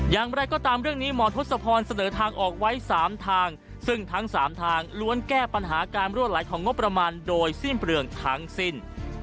อย่างไรก็ตามเรื่องนี้หมอทศพรเสนอทางออกไว้๓ทางซึ่งทั้ง๓ทางล้วนแก้ปัญหาการรั่วไหลของงบประมาณโดยสิ้นเปลืองทั้งสิ้น